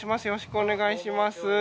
よろしくお願いします。